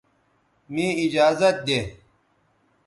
مے ایجازت دے